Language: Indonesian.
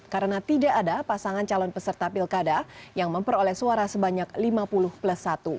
karena tidak ada pasangan calon peserta pilkada yang memperoleh suara sebanyak lima puluh plus satu